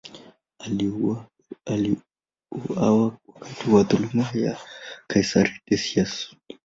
Aliuawa wakati wa dhuluma ya kaisari Decius.